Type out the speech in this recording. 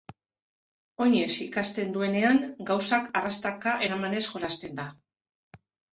Oinez ikasten duenean, gauzak arrastaka eramanez jolasten da.